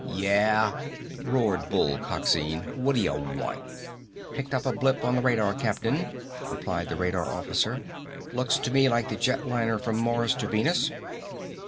"Yeah?" roared Bull Coxine. "Whaddya want?" "Picked up a blip on the radar, Captain," replied the radar officer. "Looks to me like the jet liner from Mars to Venus."